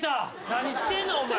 何してんねんお前。